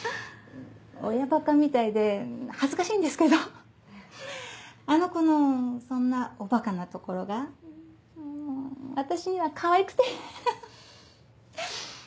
親バカみたいで恥ずかしいんですけどあの子のそんなおバカなところが私にはかわいくてフフフ。